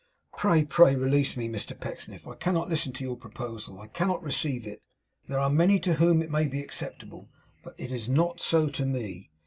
'Pray, pray release me, Mr Pecksniff. I cannot listen to your proposal. I cannot receive it. There are many to whom it may be acceptable, but it is not so to me.